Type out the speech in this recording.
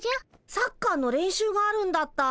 サッカーの練習があるんだった。